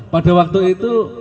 pada waktu itu